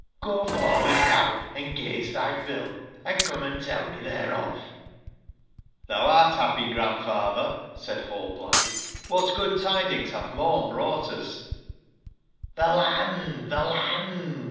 Go forward now, and gaze thy fill and come and tell me thereof "ji? *'XIhou art happy. Grandfather," said Hallblithe, ''what good tidings hath mom brought ue7JP *'^he land! the land!"